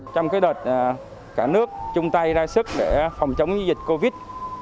trong đợt cả nước chung tay ra sức để phòng chống dịch covid